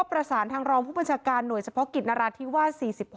ประสานทางรองผู้บัญชาการหน่วยเฉพาะกิจนราธิวาส๔๖